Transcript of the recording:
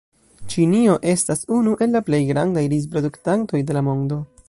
Ĉinio estas unu el la plej grandaj rizproduktantoj de la mondo.